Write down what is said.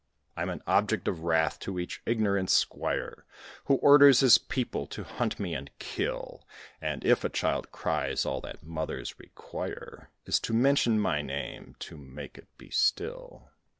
I'm an object of wrath to each ignorant squire, Who orders his people to hunt me and kill; And if a child cries, all that mothers require Is to mention my name to make it be still.